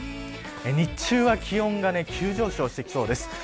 日中は気温が急上昇してきそうです。